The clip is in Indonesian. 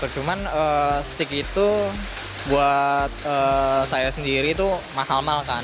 cuman stik itu buat saya sendiri itu mahal mahal kan